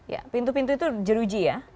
ya pintu pintu itu jeruji ya